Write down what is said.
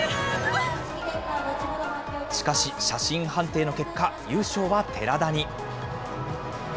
しかし、写真判定の結果、優勝は寺田に。